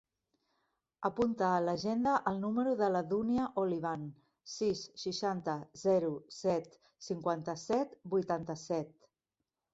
Apunta a l'agenda el número de la Dúnia Olivan: sis, seixanta, zero, set, cinquanta-set, vuitanta-set.